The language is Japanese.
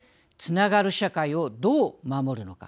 そしてつながる社会をどう守るのか。